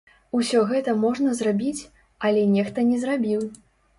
Усё гэта можна зрабіць, але нехта не зрабіў.